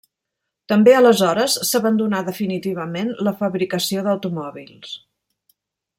També aleshores s'abandonà definitivament la fabricació d'automòbils.